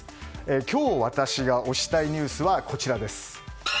今日、私が推したいニュースはこちらです。